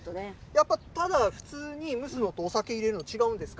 やっぱりただ蒸すのと、お酒入れるの違うんですか？